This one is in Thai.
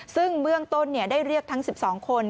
ซึ่งเบื้องต้นได้เรียกทั้ง๑๒คน